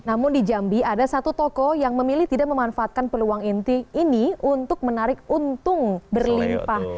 namun di jambi ada satu toko yang memilih tidak memanfaatkan peluang inti ini untuk menarik untung berlimpah